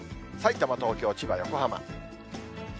さいたま、東京、千葉、横浜。